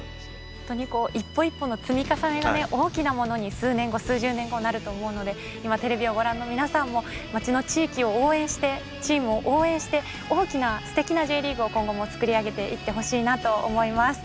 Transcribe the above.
本当に一歩一歩の積み重ねがね大きなものに数年後数十年後なると思うので今テレビをご覧の皆さんも町の地域を応援してチームを応援して大きなすてきなＪリーグを今後も作り上げていってほしいなと思います。